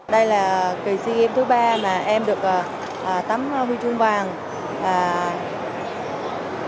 đây là kỳ sea games thứ ba mà em được tắm huy chương bạc